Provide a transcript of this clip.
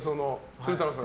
鶴太郎さん